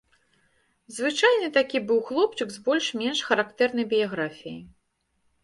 Звычайны такі быў хлопчык з больш-менш характэрнай біяграфіяй.